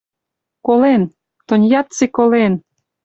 — Колен, Тоньяцци колен.